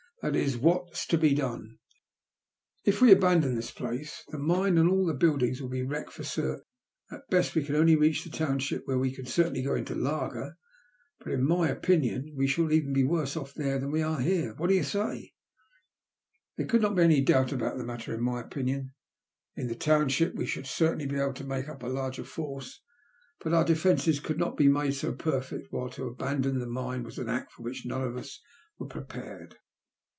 That is, what's to be done? If we abandon this place, the mine and the buildings will be wrecked for certain. At the best we can only reach the township, where we can certainly go into laager, but in my opinion we shall be even worse off there than we are here. What do you say ?" There could not be any doubt about the matter in my opinion. In the township we should certainly be able to make up a larger force, but our defences could not be made so perfect, while to abandon the mine was an act for which none of us were prepared.